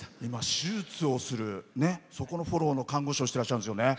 手術をする、そこのフォローの看護師をしてらっしゃるんですよね。